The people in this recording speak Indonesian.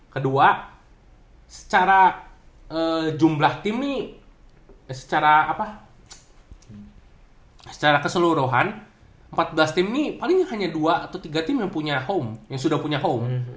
kedua secara jumlah tim ini secara keseluruhan empat belas tim ini paling hanya dua atau tiga tim yang punya home yang sudah punya home